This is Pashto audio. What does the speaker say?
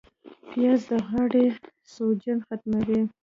پیاز د غاړې سوجن ختموي